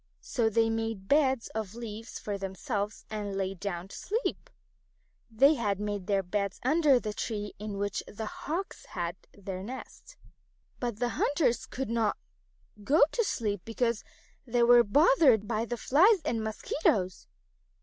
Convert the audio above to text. So they made beds of leaves for themselves and lay down to sleep. They had made their beds under the tree in which the Hawks had their nest. But the hunters could not go to sleep because they were bothered by the flies and mosquitoes.